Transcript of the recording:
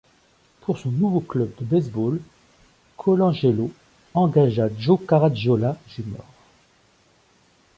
Pour son nouveau club de baseball, Colangelo engagea Joe Garagiola, Jr.